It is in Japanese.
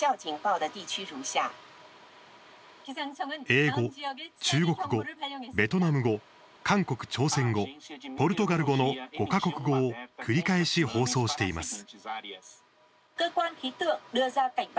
英語、中国語、ベトナム語韓国朝鮮語、ポルトガル語の５か国語を繰り返し放送しています。